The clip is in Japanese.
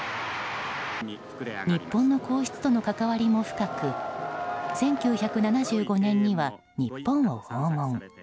日本の皇室との関わりも深く１９７５年には日本を訪問。